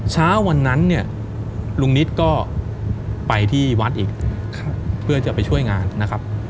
เช้าวันนั้นเนี่ยลุงนิดก็ไปที่วัดอีกเพื่อจะไปช่วยงานนะครับ